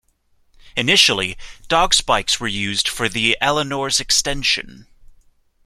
Initially dog spikes were used for the Eleanor's extension.